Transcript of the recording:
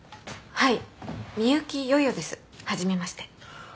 はい。